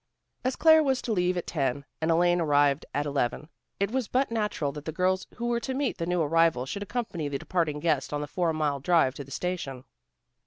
As Claire was to leave at ten, and Elaine arrived at eleven, it was but natural that the girls who were to meet the new arrival should accompany the departing guest on the four mile drive to the station.